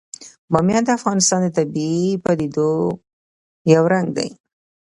بامیان د افغانستان د طبیعي پدیدو یو رنګ دی.